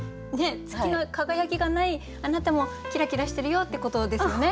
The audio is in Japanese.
月の輝きがないあなたもキラキラしてるよってことですよね？